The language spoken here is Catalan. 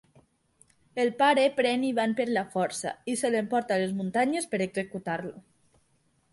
El pare pren Ivan per la força i se l'emporta a les muntanyes per executar-lo.